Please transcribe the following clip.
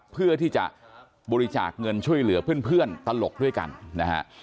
เพื่อที่จะบริจาคเงินช่วยเหลือเพื่อนตลกด้วยกันนะฮะ